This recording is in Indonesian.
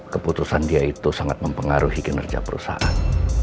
keputusan dia itu sangat mempengaruhi kinerja perusahaan